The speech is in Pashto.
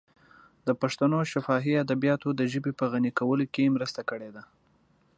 د پښتنو شفاهي ادبیاتو د ژبې په غني کولو کې مرسته کړې ده.